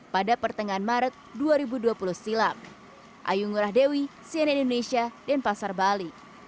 pada pertengahan maret dua ribu dua puluh silam